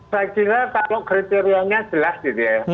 saya kira kalau kriterianya jelas gitu ya